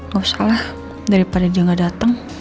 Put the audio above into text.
gak usah lah daripada dia nggak dateng